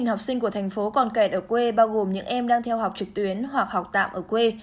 hai mươi sáu học sinh của tp hcm còn kẹt ở quê bao gồm những em đang theo học trực tuyến hoặc học tạm ở quê